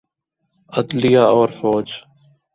عدلیہ اورفوج۔